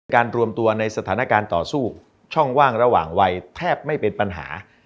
การรวมตัวในสถานการณ์ต่อสู้ช่องว่างระหว่างวัยแทบไม่เป็นปัญหา